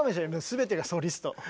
全てがソリストで。